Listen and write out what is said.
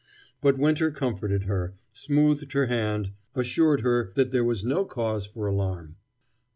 But Winter comforted her, smoothed her hand, assured her that there was no cause for alarm.